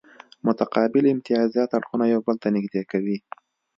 متقابل امتیازات اړخونه یو بل ته نږدې کوي